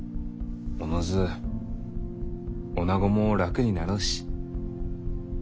おのず女も楽になろうし。